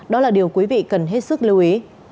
đó là điều quý vị cần hết sức lưu ý